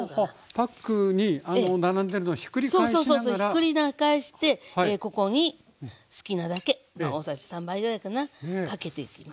ひっくり返してここに好きなだけ大さじ３杯ぐらいかなかけていきますね。